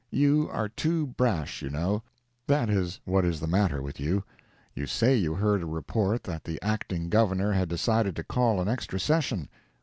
You are too brash, you know—that is what is the matter with you. You say you heard a report that the Acting Governor had decided to call an extra session.